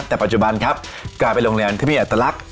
แต่ปัจจุบันครับกลายเป็นโรงแรมที่มีอัตลักษณ